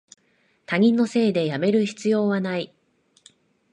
他人のせいでやめる必要はない